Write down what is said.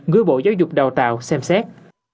gửi bộ giáo dục đào tạo xem xét